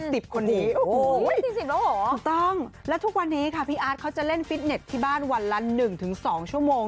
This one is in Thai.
๔๐แล้วเหรอถูกต้องแล้วทุกวันนี้ค่ะพี่อาร์ดเขาจะเล่นฟิตเน็ตที่บ้านวันละ๑๒ชั่วโมง